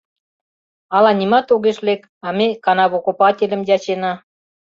Ала нимат огеш лек, а ме канавокопательым ячена.